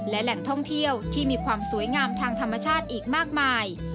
และแหล่งท่องเที่ยวที่มีความสวยงามทางธรรมชาติอีกมากมาย